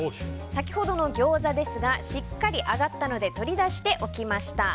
先ほどのギョーザですがしっかり揚がったので取り出しておきました。